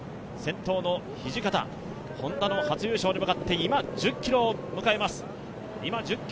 先頭の土方、Ｈｏｎｄａの初優勝に向かって今、１０ｋｍを迎えます。